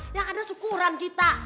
ya karena syukuran kita